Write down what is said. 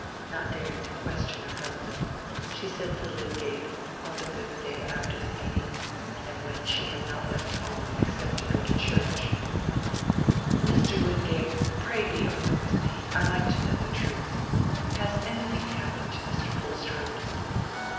Not daring to question her husband, she said to Lydgate, on the fifth day after the meeting, when she had not left home except to go to church— "Mr. Lydgate, pray be open with me: I like to know the truth. Has anything happened to Mr. Bulstrode?"